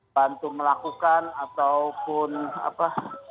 bantu melakukan ataupun apa